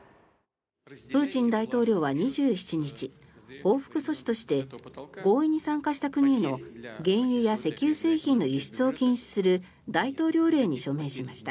プーチン大統領は２７日報復措置として合意に参加した国への原油や石油製品の輸出を禁止する大統領令に署名しました。